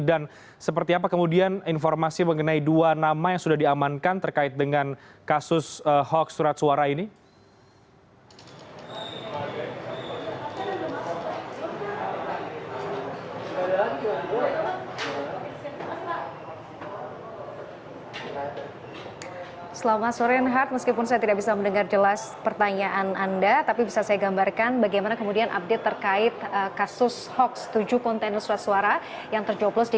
dan seperti apa kemudian informasi mengenai dua nama yang sudah diamankan terkait dengan kasus hoax surat suara ini